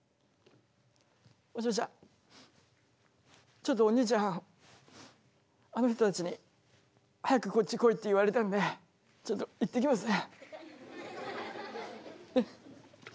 ちょっとおにいちゃんあの人たちに早くこっち来いって言われたんでちょっと行ってきますね。